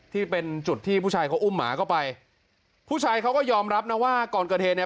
ที่เป็นจุดที่ผู้ชายเขาอุ้มหมาเข้าไปผู้ชายเขาก็ยอมรับนะว่าก่อนเกิดเหตุเนี่ย